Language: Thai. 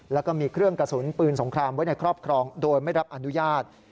แล้วก็มีเครื่องกระสุนปืนสงครามไว้ในครอบครองโดยไม่รับอนุญาต